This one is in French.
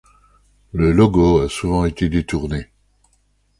Le logo a souvent été détourné.